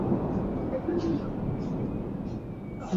hitimisho la usajiri wa redio yako linatoka kwenye mamlaka husika